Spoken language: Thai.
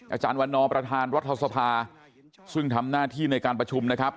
อาจารย์วันนอประธานรัฐสภาซึ่งทำหน้าที่ในการประชุมนะครับ